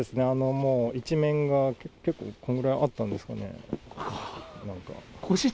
もう一面が結構、こんぐらいあったんですかね、なんか。